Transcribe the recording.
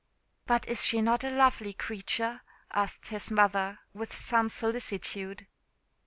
"But is she not a lovely creature?" asked his mother, with some solicitude.